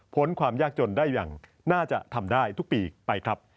ความยากจนได้อย่างน่าจะทำได้ทุกปีไปครับ